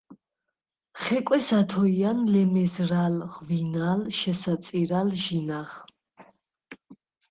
ხეკვეს ათოჲა̄ნ ლემეზრა̄̈ლ, ღვინალ, შესაწირა̈ლ, ჟინაღ.